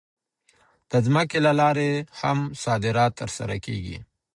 د ځمکې له لارې هم صادرات ترسره کېږي.